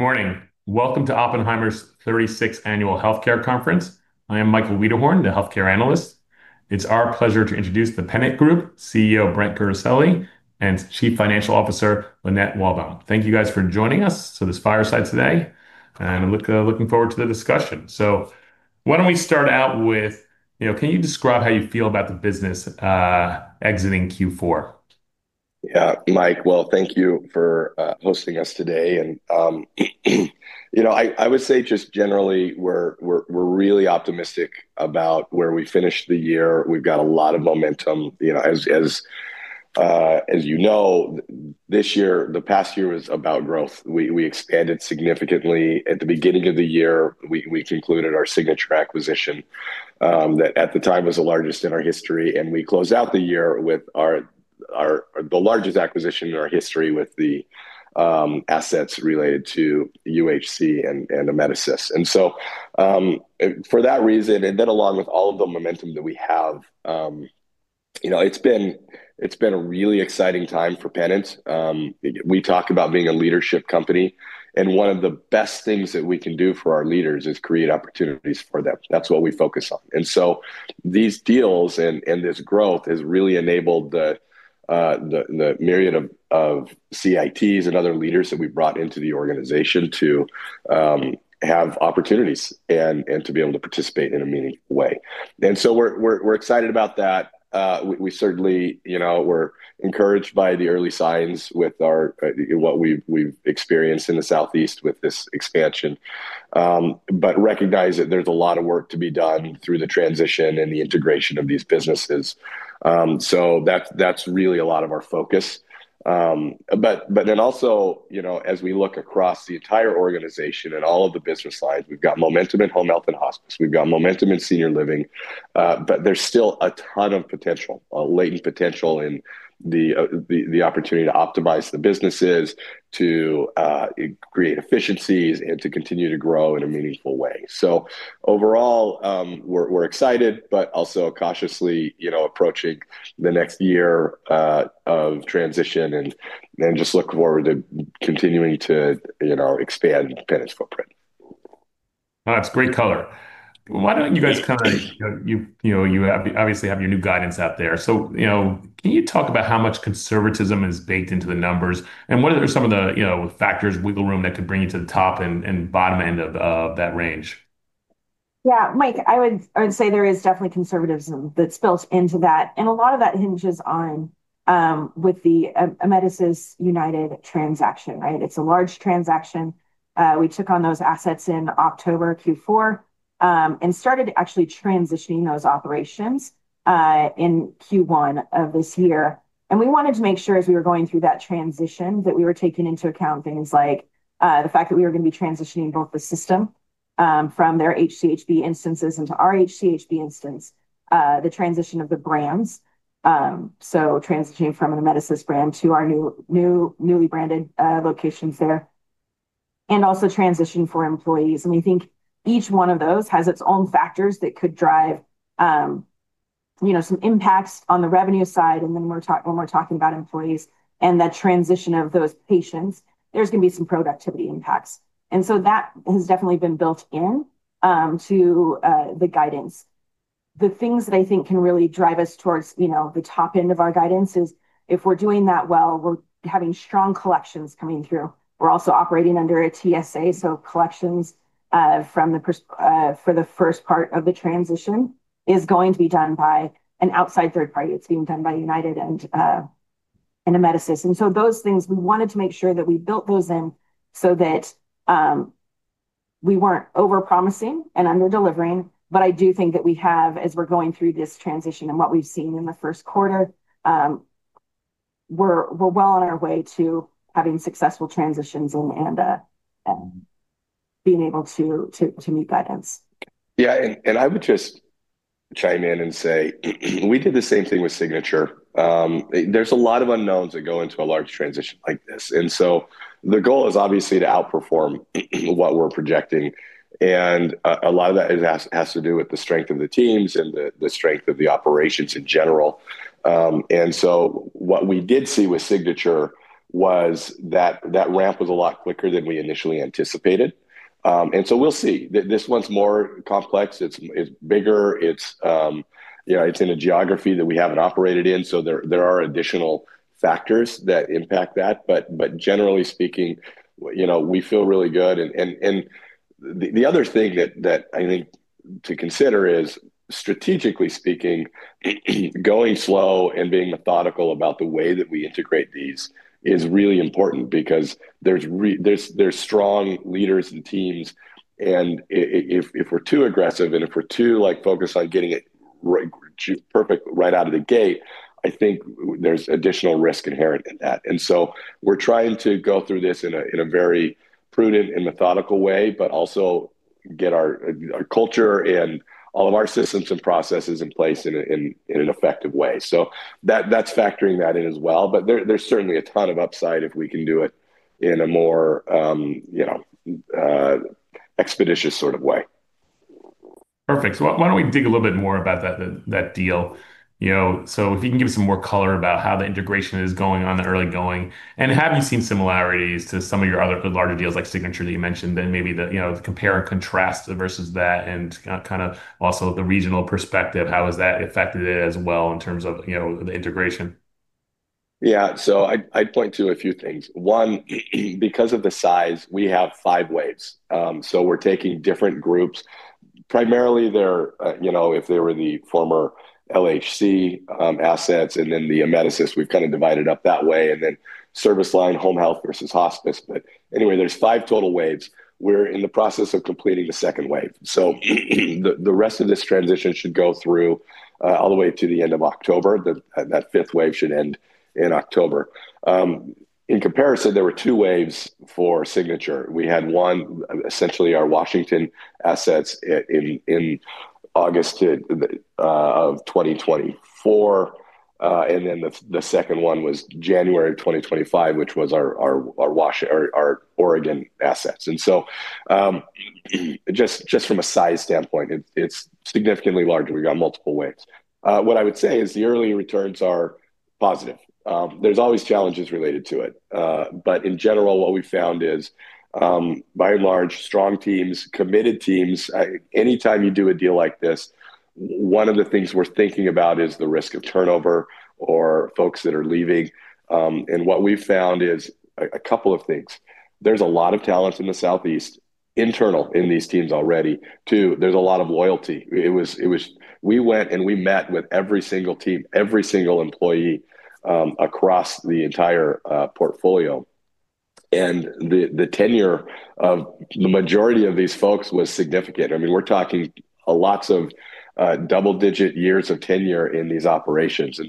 Good morning. Welcome to Oppenheimer's 36th Annual Healthcare Conference. I am Michael Wiederhorn, the healthcare analyst. It's our pleasure to introduce The Pennant Group CEO, Brent Guerisoli, and Chief Financial Officer, Lynette Walbom. Thank you guys for joining us to this fireside today, and I'm looking forward to the discussion. Why don't we start out with, you know, can you describe how you feel about the business exiting Q4? Yeah. Mike, well, thank you for hosting us today. You know, I would say just generally we're really optimistic about where we finished the year. We've got a lot of momentum, you know, as you know, the past year was about growth. We expanded significantly. At the beginning of the year, we concluded our Signature acquisition, that at the time was the largest in our history, and we closed out the year with our the largest acquisition in our history with the assets related to UnitedHealth Group and Amedisys. For that reason, and then along with all of the momentum that we have, you know, it's been a really exciting time for Pennant. We talk about being a leadership company, and one of the best things that we can do for our leaders is create opportunities for them. That's what we focus on. These deals and this growth has really enabled the myriad of CITs and other leaders that we've brought into the organization to have opportunities and to be able to participate in a meaningful way. We're excited about that. We certainly, you know, we're encouraged by the early signs with what we've experienced in the Southeast with this expansion, but recognize that there's a lot of work to be done through the transition and the integration of these businesses. That's really a lot of our focus. Also, you know, as we look across the entire organization at all of the business lines, we've got momentum in Home Health and Hospice, we've got momentum in Senior Living, but there's still a ton of potential, latent potential in the opportunity to optimize the businesses to create efficiencies and to continue to grow in a meaningful way. Overall, we're excited, but also cautiously, you know, approaching the next year of transition and just look forward to continuing to, you know, expand Pennant's footprint. That's great color. Why don't you guys kind of, you know, you obviously have your new guidance out there. You know, can you talk about how much conservatism is baked into the numbers? And what are some of the, you know, factors, wiggle room that could bring you to the top and bottom end of that range? Yeah. Mike, I would say there is definitely conservatism that's built into that, and a lot of that hinges on with the Amedisys UnitedHealth Group transaction, right? It's a large transaction. We took on those assets in October Q4 and started actually transitioning those operations in Q1 of this year. We wanted to make sure as we were going through that transition, that we were taking into account things like the fact that we were gonna be transitioning both the system from their HCHB instances into our HCHB instance, the transition of the brands, so transitioning from an Amedisys brand to our newly branded locations there, and also transitioning for employees. We think each one of those has its own factors that could drive you know some impacts on the revenue side. When we're talking about employees and the transition of those patients, there's gonna be some productivity impacts. That has definitely been built in to the guidance. The things that I think can really drive us towards, you know, the top end of our guidance is if we're doing that well, we're having strong collections coming through. We're also operating under a TSA, so collections for the first part of the transition is going to be done by an outside third party. It's being done by UnitedHealth Group and Amedisys. Those things, we wanted to make sure that we built those in so that we weren't overpromising and underdelivering.I do think that we have, as we're going through this transition and what we've seen in the first quarter, we're well on our way to having successful transitions and being able to meet guidance. Yeah. I would just chime in and say we did the same thing with Signature. There's a lot of unknowns that go into a large transition like this. The goal is obviously to outperform what we're projecting, and a lot of that has to do with the strength of the teams and the strength of the operations in general. What we did see with Signature was that ramp was a lot quicker than we initially anticipated. We'll see. This one's more complex, it's bigger, you know, it's in a geography that we haven't operated in, so there are additional factors that impact that. Generally speaking, you know, we feel really good. The other thing that I think to consider is, strategically speaking, going slow and being methodical about the way that we integrate these is really important because there's strong leaders and teams, and if we're too aggressive and if we're too, like, focused on getting it right perfect right out of the gate, I think there's additional risk inherent in that. We're trying to go through this in a very prudent and methodical way, but also get our culture and all of our systems and processes in place in an effective way. That's factoring that in as well. There's certainly a ton of upside if we can do it in a more, you know, expeditious sort of way. Perfect. Why don't we dig a little bit more about that deal, you know. If you can give some more color about how the integration is going in the early going. Have you seen similarities to some of your other larger deals like Signature that you mentioned? Then maybe compare and contrast versus that and kind of also the regional perspective, how has that affected it as well in terms of the integration? Yeah. I'd point to a few things. One, because of the size, we have five waves. We're taking different groups. Primarily they're, you know, if they were the former LHC assets and then the Amedisys, we've kinda divided up that way, and then service line home health versus hospice. Anyway, there's five total waves. We're in the process of completing the second wave. The rest of this transition should go through all the way to the end of October. That fifth wave should end in October. In comparison, there were two waves for Signature. We had one, essentially our Washington assets in August of 2024. And then the second one was January 2025, which was our Oregon assets. Just from a size standpoint, it's significantly larger. We got multiple waves. What I would say is the early returns are positive. There's always challenges related to it. But in general, what we've found is, by and large, strong teams, committed teams. Anytime you do a deal like this, one of the things we're thinking about is the risk of turnover or folks that are leaving. What we've found is a couple of things. There's a lot of talent in the Southeast, internal, in these teams already. Two, there's a lot of loyalty. We went and we met with every single team, every single employee, across the entire portfolio. The tenure of the majority of these folks was significant. I mean, we're talking lots of double-digit years of tenure in these operations.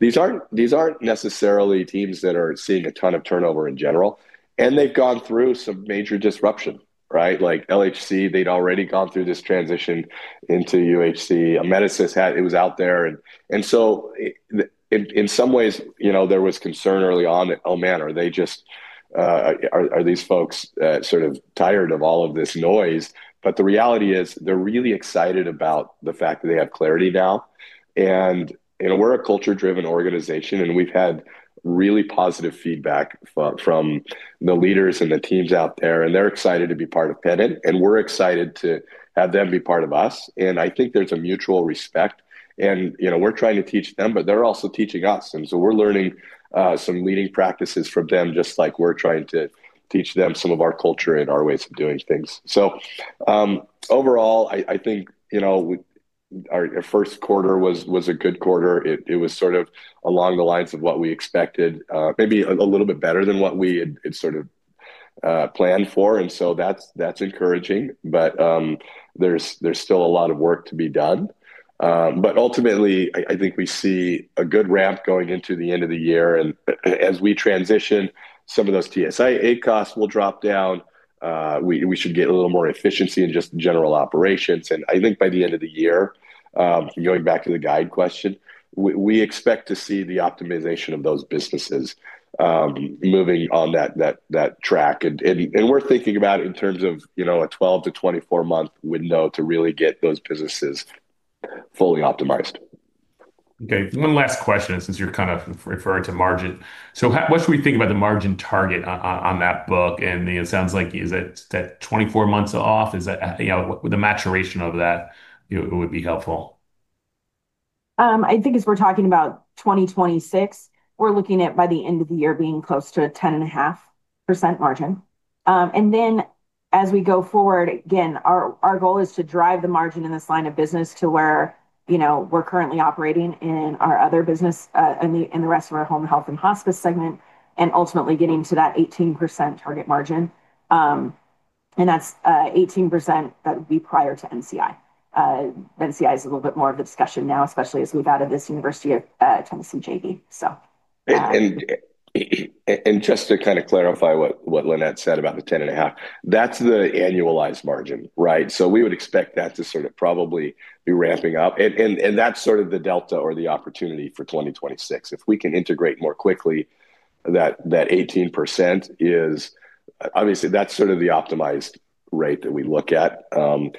These aren't necessarily teams that are seeing a ton of turnover in general, and they've gone through some major disruption, right? Like LHC, they'd already gone through this transition into UnitedHealth Group. Amedisys, it was out there. In some ways, you know, there was concern early on that, oh, man, are they just are these folks sort of tired of all of this noise? The reality is, they're really excited about the fact that they have clarity now. You know, we're a culture-driven organization, and we've had really positive feedback from the leaders and the teams out there, and they're excited to be part of Pennant, and we're excited to have them be part of us. I think there's a mutual respect. You know, we're trying to teach them, but they're also teaching us. We're learning some leading practices from them, just like we're trying to teach them some of our culture and our ways of doing things. Overall, I think, you know, our first quarter was a good quarter. It was sort of along the lines of what we expected, maybe a little bit better than what we had sort of planned for. That's encouraging. There's still a lot of work to be done. Ultimately, I think we see a good ramp going into the end of the year. As we transition some of those TSAs, ACOs will drop down. We should get a little more efficiency in just general operations. I think by the end of the year, going back to the guide question, we expect to see the optimization of those businesses, moving on that track. We're thinking about in terms of, you know, a 12-24 month window to really get those businesses fully optimized. Okay. One last question, since you're kind of referring to margin. What should we think about the margin target on that book? I mean, it sounds like is it that 24 months off? Is that, you know, with the maturation of that, it would be helpful. I think as we're talking about 2026, we're looking at by the end of the year being close to 10.5% margin. Then as we go forward, again, our goal is to drive the margin in this line of business to where, you know, we're currently operating in our other business, in the rest of our Home Health and Hospice segment, and ultimately getting to that 18% target margin. That's 18% that would be prior to NCI. NCI is a little bit more of a discussion now, especially as we've added this University of Tennessee JV. Just to kinda clarify what Lynette said about the 10.5%, that's the annualized margin, right? We would expect that to sort of probably be ramping up. That's sort of the delta or the opportunity for 2026. If we can integrate more quickly, that 18% is obviously the optimized rate that we look at. You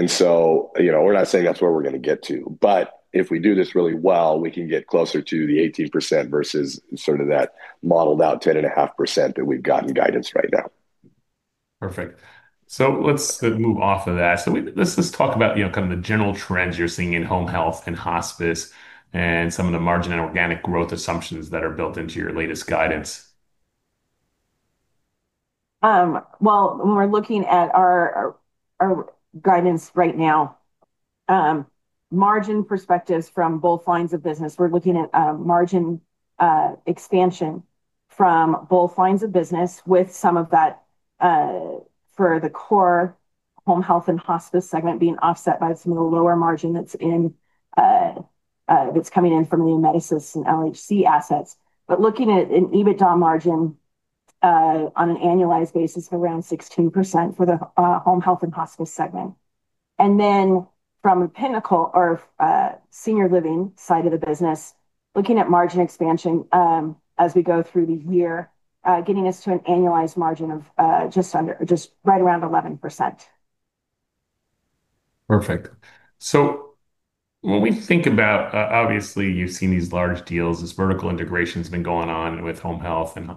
know, we're not saying that's where we're gonna get to. If we do this really well, we can get closer to the 18% versus sort of that modeled-out 10.5% that we've got in guidance right now. Perfect. Let's move off of that. Let's talk about, you know, kind of the general trends you're seeing in Home Health and Hospice, and some of the margin and organic growth assumptions that are built into your latest guidance. Well, when we're looking at our guidance right now, margin perspectives from both lines of business, we're looking at margin expansion from both lines of business with some of that for the core Home Health and Hospice segment being offset by some of the lower margin that's coming in from the Amedisys and LHC assets. Looking at an EBITDA margin on an annualized basis around 16% for the Home Health and Hospice segment. From Pinnacle or, Senior Living side of the business, looking at margin expansion as we go through the year, getting us to an annualized margin of just right around 11%. Perfect. When we think about, obviously, you've seen these large deals, this vertical integration's been going on with home health and,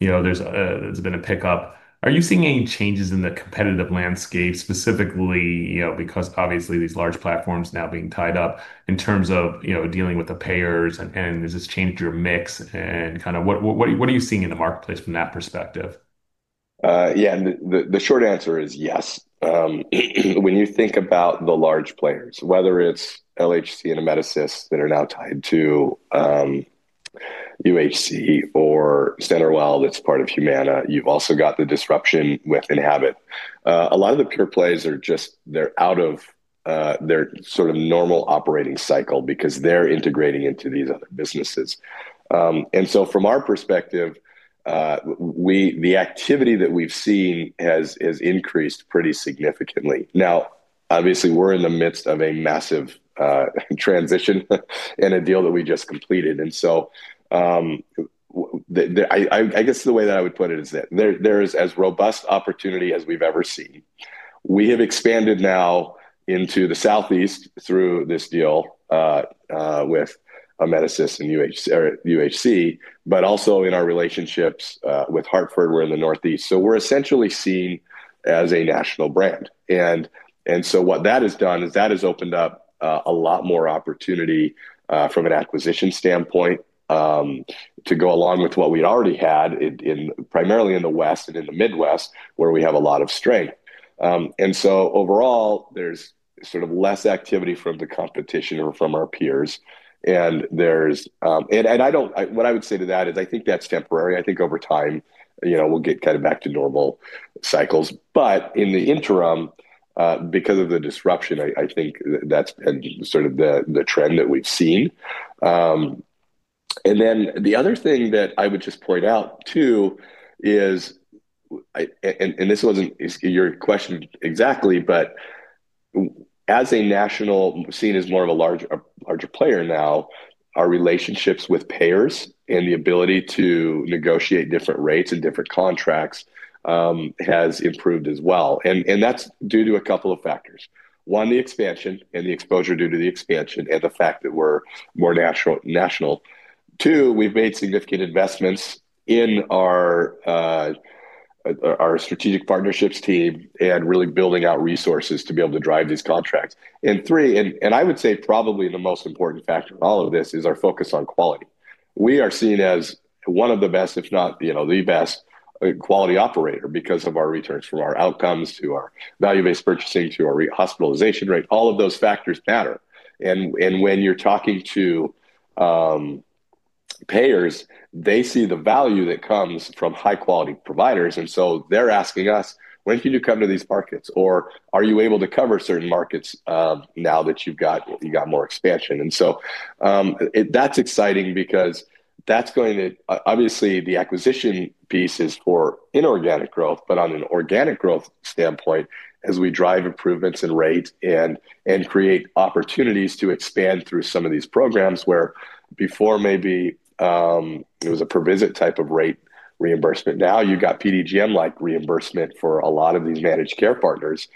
you know, there's been a pickup. Are you seeing any changes in the competitive landscape, specifically, you know, because obviously these large platforms now being tied up in terms of, you know, dealing with the payers and has this changed your mix and kinda what are you seeing in the marketplace from that perspective? Yeah. The short answer is yes. When you think about the large players, whether it's LHC and Amedisys that are now tied to UnitedHealth Group or CenterWell that's part of Humana, you've also got the disruption with Enhabit. A lot of the pure plays are just out of their sort of normal operating cycle because they're integrating into these other businesses. From our perspective, the activity that we've seen has increased pretty significantly. Now, obviously, we're in the midst of a massive transition and a deal that we just completed. I guess the way that I would put it is that there is as robust opportunity as we've ever seen. We have expanded now into the Southeast through this deal with Amedisys and UnitedHealth Group, but also in our relationships with Hartford, we're in the Northeast. We're essentially seen as a national brand. What that has done is that has opened up a lot more opportunity from an acquisition standpoint to go along with what we already had in primarily in the West and in the Midwest, where we have a lot of strength. Overall, there's sort of less activity from the competition or from our peers. What I would say to that is I think that's temporary. I think over time, you know, we'll get kind of back to normal cycles. In the interim, because of the disruption, I think that's been sort of the trend that we've seen. The other thing that I would just point out too is, and this wasn't exactly your question, but as a national, seen as more of a larger player now, our relationships with payers and the ability to negotiate different rates and different contracts has improved as well. That's due to a couple of factors. One, the expansion and the exposure due to the expansion and the fact that we're more national. Two, we've made significant investments in our strategic partnerships team and really building out resources to be able to drive these contracts. Three, I would say probably the most important factor in all of this is our focus on quality. We are seen as one of the best, if not, you know, the best quality operator because of our returns from our outcomes to our value-based purchasing to our rehospitalization rate. All of those factors matter. When you're talking to payers, they see the value that comes from high-quality providers, and so they're asking us, "When can you come to these markets?" Or, "Are you able to cover certain markets, now that you've got more expansion?" That's exciting because that's going to obviously, the acquisition piece is for inorganic growth. On an organic growth standpoint, as we drive improvements in rates and create opportunities to expand through some of these programs where before maybe it was a per visit type of rate reimbursement, now you got PDGM-like reimbursement for a lot of these managed care partners.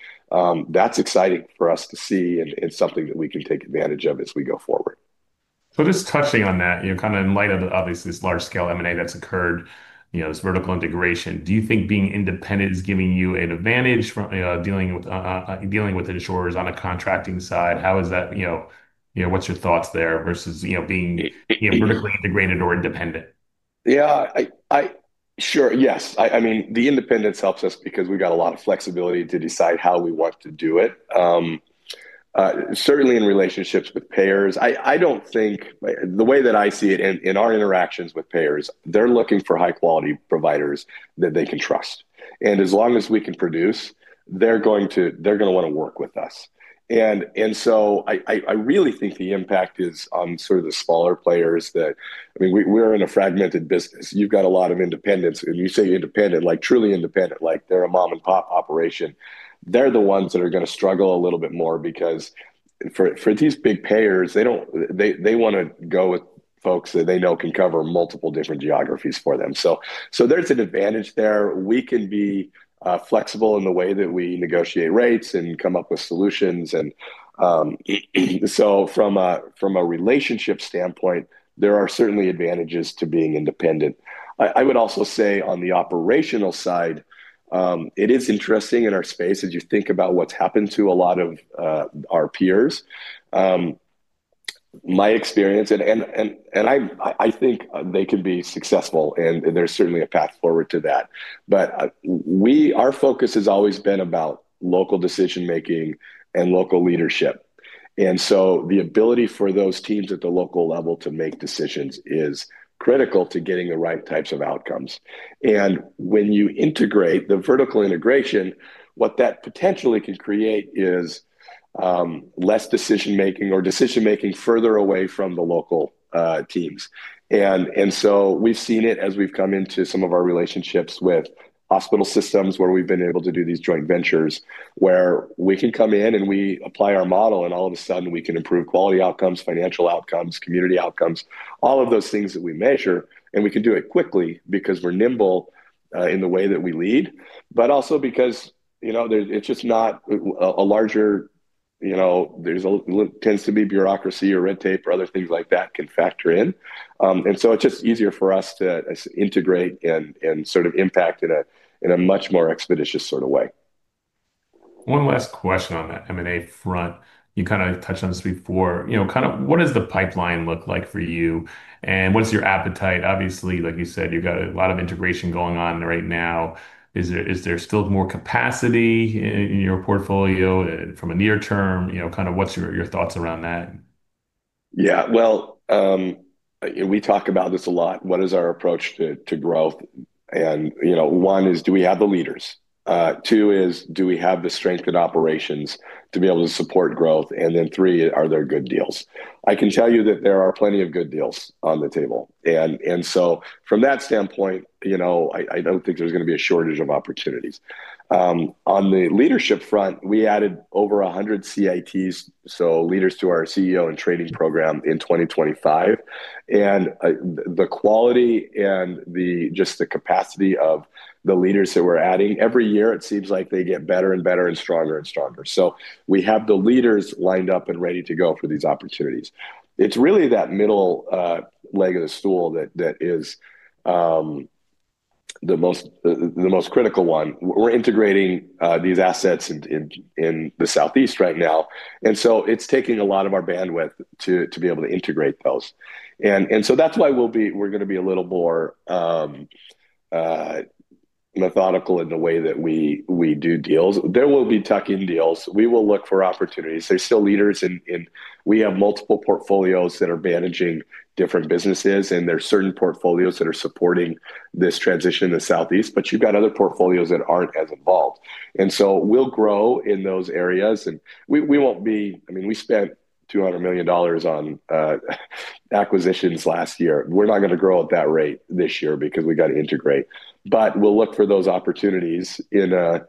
That's exciting for us to see and something that we can take advantage of as we go forward. Just touching on that, you know, kinda in light of obviously this large-scale M&A that's occurred, you know, this vertical integration. Do you think being independent is giving you an advantage from dealing with insurers on a contracting side? How is that, you know, what's your thoughts there versus, you know, being vertically integrated or independent? Yeah. Sure, yes. I mean, the independence helps us because we got a lot of flexibility to decide how we want to do it. Certainly in relationships with payers. The way that I see it in our interactions with payers, they're looking for high-quality providers that they can trust. As long as we can produce, they're gonna wanna work with us. So I really think the impact is on sort of the smaller players. I mean, we're in a fragmented business. You've got a lot of independents. When you say independent, like, truly independent, like they're a mom-and-pop operation. They're the ones that are gonna struggle a little bit more because for these big payers, they don't wanna go with folks that they know can cover multiple different geographies for them. There's an advantage there. We can be flexible in the way that we negotiate rates and come up with solutions. From a relationship standpoint, there are certainly advantages to being independent. I would also say on the operational side, it is interesting in our space as you think about what's happened to a lot of our peers. My experience and I think they can be successful, and there's certainly a path forward to that. Our focus has always been about local decision-making and local leadership. The ability for those teams at the local level to make decisions is critical to getting the right types of outcomes. When you integrate, the vertical integration, what that potentially can create is less decision-making or decision-making further away from the local teams. We've seen it as we've come into some of our relationships with hospital systems where we've been able to do these joint ventures, where we can come in and we apply our model, and all of a sudden we can improve quality outcomes, financial outcomes, community outcomes, all of those things that we measure, and we can do it quickly because we're nimble in the way that we lead, but also because, you know, there's a lot of bureaucracy or red tape or other things like that can factor in. It's just easier for us to integrate and sort of impact in a much more expeditious sort of way. One last question on that M&A front. You kinda touched on this before. You know, kind of what does the pipeline look like for you, and what is your appetite? Obviously, like you said, you've got a lot of integration going on right now. Is there still more capacity in your portfolio in the near term? You know, kind of what's your thoughts around that? Yeah. Well, we talk about this a lot, what is our approach to growth? You know, one is do we have the leaders? Two is, do we have the strength in operations to be able to support growth? Three, are there good deals? I can tell you that there are plenty of good deals on the table. From that standpoint, you know, I don't think there's gonna be a shortage of opportunities. On the leadership front, we added over 100 CITs, so leaders to our CEO-in-Training program in 2025. The quality and the just the capacity of the leaders that we're adding, every year it seems like they get better and better and stronger and stronger. We have the leaders lined up and ready to go for these opportunities. It's really that middle leg of the stool that is the most critical one. We're integrating these assets in the Southeast right now, and so it's taking a lot of our bandwidth to be able to integrate those. That's why we're gonna be a little more methodical in the way that we do deals. There will be tuck-in deals. We will look for opportunities. There's still leaders. We have multiple portfolios that are managing different businesses, and there's certain portfolios that are supporting this transition in the Southeast, but you've got other portfolios that aren't as involved. We'll grow in those areas, and we won't be. I mean, we spent $200 million on acquisitions last year. We're not gonna grow at that rate this year because we gotta integrate. We'll look for those opportunities in a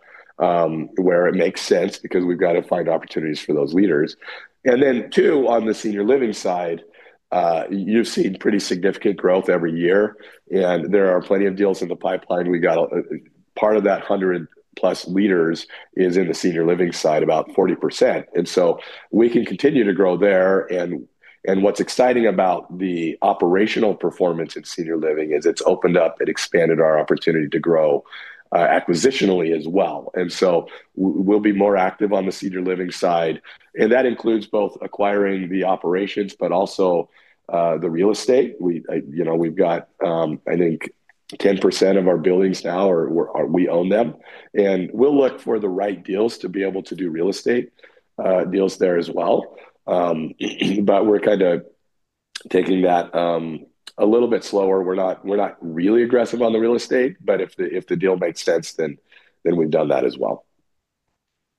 where it makes sense because we've got to find opportunities for those leaders. Then two, on the Senior Living side, you've seen pretty significant growth every year, and there are plenty of deals in the pipeline. Part of that 100+ leaders is in the Senior Living side, about 40%. We can continue to grow there. What's exciting about the operational performance at Senior Living is it's opened up and expanded our opportunity to grow acquisitionally as well. We'll be more active on the Senior Living side, and that includes both acquiring the operations but also the real estate. You know, we've got, I think 10% of our buildings now we own them, and we'll look for the right deals to be able to do real estate deals there as well. But we're kinda taking that a little bit slower. We're not really aggressive on the real estate, but if the deal makes sense, then we've done that as well.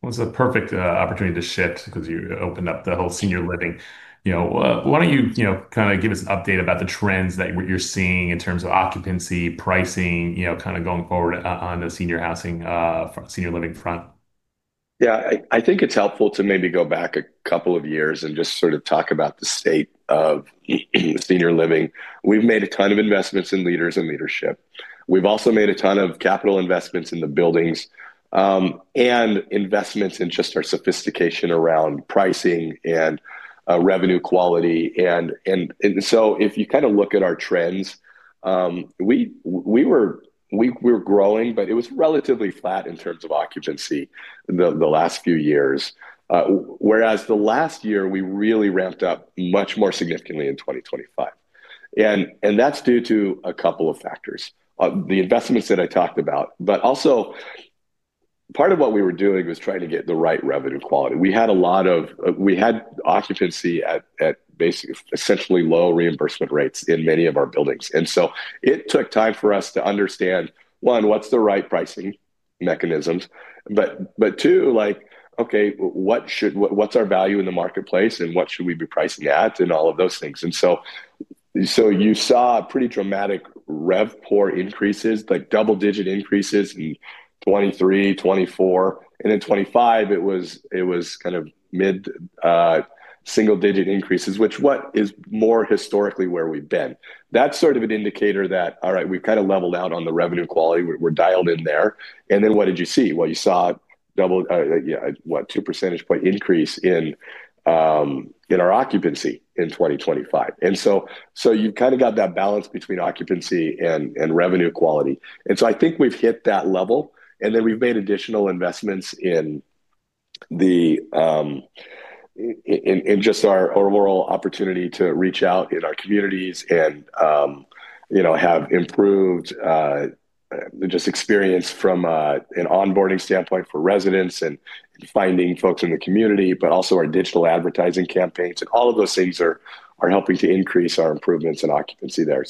Well, it's a perfect opportunity to shift 'cause you opened up the whole Senior Living. You know, why don't you know, kinda give us an update about the trends that what you're seeing in terms of occupancy, pricing, you know, kinda going forward on the senior housing, Senior Living front. Yeah. I think it's helpful to maybe go back a couple of years and just sort of talk about the state of Senior Living. We've made a ton of investments in leaders and leadership. We've also made a ton of capital investments in the buildings, and investments in just our sophistication around pricing and revenue quality. If you kinda look at our trends, we're growing, but it was relatively flat in terms of occupancy the last few years. Whereas the last year, we really ramped up much more significantly in 2025. That's due to a couple of factors. The investments that I talked about, but also part of what we were doing was trying to get the right revenue quality. We had occupancy at essentially low reimbursement rates in many of our buildings. It took time for us to understand, one, what's the right pricing mechanisms. But two, like, okay, what's our value in the marketplace, and what should we be pricing at and all of those things. You saw pretty dramatic RevPOR increases, like double-digit increases in 2023, 2024. In 2025, it was kind of mid single-digit increases, which is more historically where we've been. That's sort of an indicator that, all right, we've kind of leveled out on the revenue quality. We're dialed in there. Then what did you see? Well, you saw two percentage point increase in our occupancy in 2025. You've kinda got that balance between occupancy and revenue quality. I think we've hit that level, and then we've made additional investments in just our overall opportunity to reach out in our communities and, you know, have improved just experience from an onboarding standpoint for residents and finding folks in the community, but also our digital advertising campaigns. All of those things are helping to increase our improvements in occupancy there.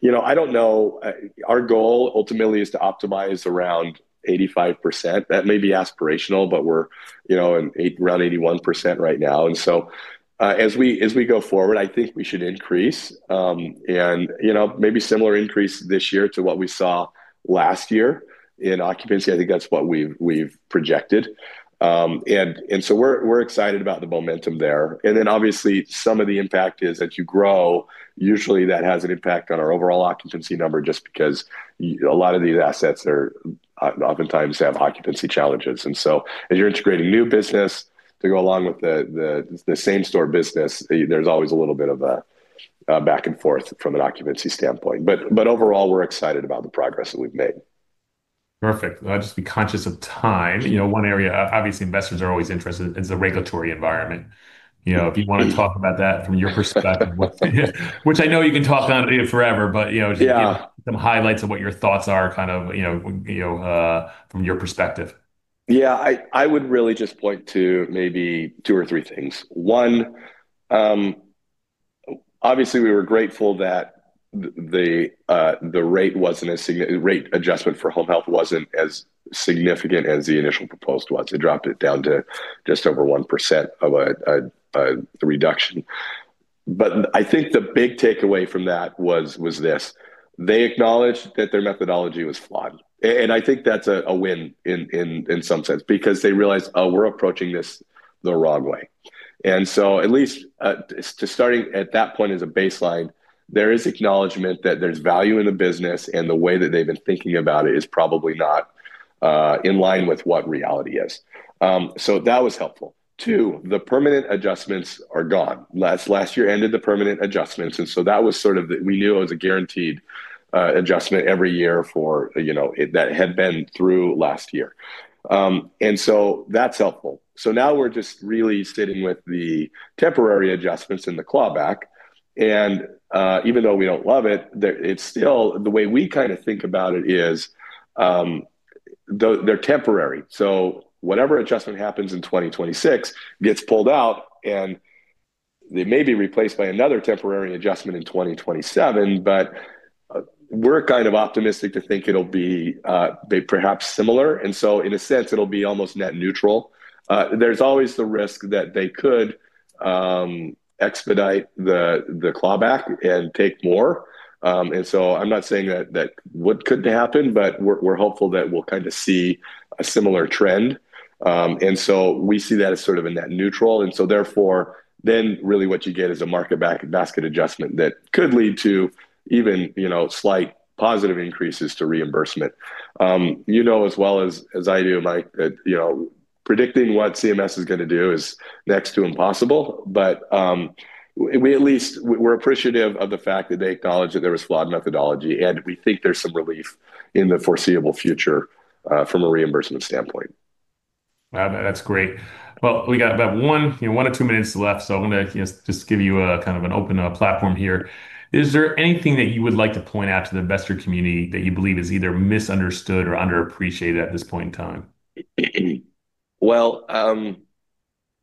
You know, I don't know. Our goal ultimately is to optimize around 85%. That may be aspirational, but we're, you know, in around 81% right now. As we go forward, I think we should increase and, you know, maybe similar increase this year to what we saw last year in occupancy. I think that's what we've projected. We're excited about the momentum there. Obviously, some of the impact is as you grow, usually that has an impact on our overall occupancy number just because a lot of these assets are oftentimes have occupancy challenges. As you're integrating new business to go along with the same store business, there's always a little bit of a back and forth from an occupancy standpoint. Overall, we're excited about the progress that we've made. Perfect. I'll just be conscious of time. You know, one area obviously investors are always interested in is the regulatory environment. You know, if you wanna talk about that from your perspective, which I know you can talk on forever, but you know. Yeah Just give some highlights of what your thoughts are kind of, you know, from your perspective. Yeah. I would really just point to maybe two or three things. One, obviously, we were grateful that the rate adjustment for Home Health wasn't as significant as the initial proposal was. They dropped it down to just over 1% of a reduction. I think the big takeaway from that was this. They acknowledged that their methodology was flawed. And I think that's a win in some sense because they realized, oh, we're approaching this the wrong way. At least to starting at that point as a baseline, there is acknowledgment that there's value in the business, and the way that they've been thinking about it is probably not in line with what reality is. So, that was helpful. Two, the permanent adjustments are gone. Last year ended the permanent adjustments. We knew it was a guaranteed adjustment every year that had been through last year. That's helpful. Now we're just really sitting with the temporary adjustments in the clawback, and even though we don't love it, the way we kinda think about it is they're temporary. Whatever adjustment happens in 2026 gets pulled out, and they may be replaced by another temporary adjustment in 2027, but we're kind of optimistic to think it'll be perhaps similar, and in a sense, it'll be almost net neutral. There's always the risk that they could expedite the clawback and take more. I'm not saying that wouldn't happen, but we're hopeful that we'll kinda see a similar trend. We see that as sort of a net neutral, and so therefore, then really what you get is a market basket adjustment that could lead to even, you know, slight positive increases to reimbursement. You know as well as I do, Mike, that, you know, predicting what CMS is gonna do is next to impossible. We're appreciative of the fact that they acknowledge that there was flawed methodology, and we think there's some relief in the foreseeable future from a reimbursement standpoint. Wow. That's great. Well, we got about one, you know, one or two minutes left, so I'm gonna, you know, just give you a kind of an open platform here. Is there anything that you would like to point out to the investor community that you believe is either misunderstood or underappreciated at this point in time? Well,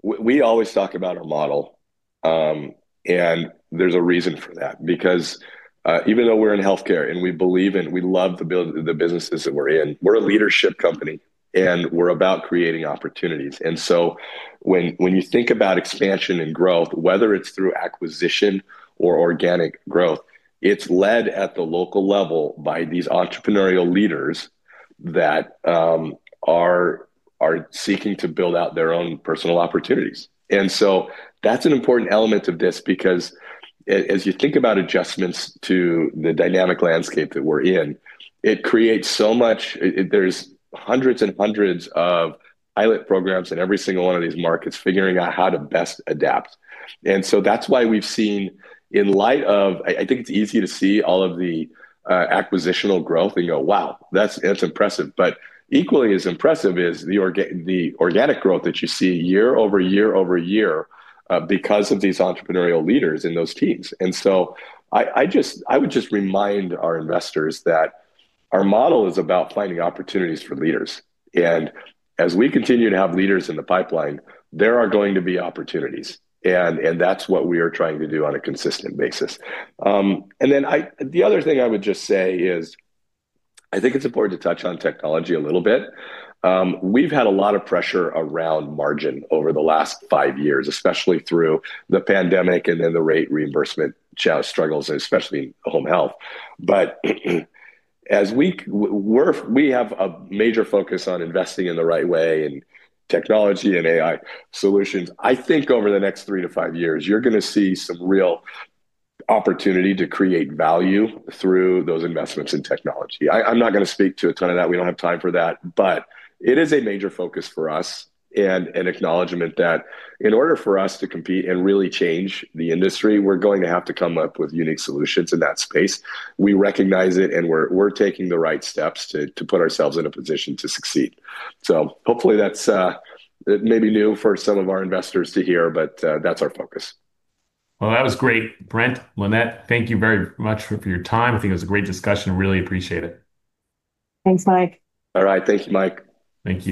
we always talk about our model, and there's a reason for that because, even though we're in healthcare and we believe and we love the businesses that we're in, we're a leadership company, and we're about creating opportunities. When you think about expansion and growth, whether it's through acquisition or organic growth, it's led at the local level by these entrepreneurial leaders that are seeking to build out their own personal opportunities. That's an important element of this because as you think about adjustments to the dynamic landscape that we're in, it creates so much. There's hundreds and hundreds of pilot programs in every single one of these markets figuring out how to best adapt. That's why we've seen. I think it's easy to see all of the acquisitional growth and go, "Wow, that's impressive." Equally as impressive is the organic growth that you see year over year over year because of these entrepreneurial leaders in those teams. I would just remind our investors that our model is about planting opportunities for leaders. As we continue to have leaders in the pipeline, there are going to be opportunities. That's what we are trying to do on a consistent basis. The other thing I would just say is I think it's important to touch on technology a little bit. We've had a lot of pressure around margin over the last five years, especially through the pandemic and then the rate reimbursement struggles, especially Home Health. As we have a major focus on investing in the right way and technology and AI solutions. I think over the next three to five years, you're gonna see some real opportunity to create value through those investments in technology. I'm not gonna speak to a ton of that. We don't have time for that. It is a major focus for us and an acknowledgement that in order for us to compete and really change the industry, we're going to have to come up with unique solutions in that space. We recognize it, and we're taking the right steps to put ourselves in a position to succeed. Hopefully that's maybe new for some of our investors to hear, but that's our focus. Well, that was great. Brent, Lynette, thank you very much for your time. I think it was a great discussion. Really appreciate it. Thanks, Mike. All right. Thank you, Mike. Thank you.